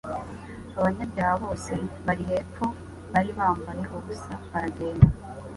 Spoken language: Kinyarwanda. Abanyabyaha bose bari hepfo bari bambaye ubusa Baragenda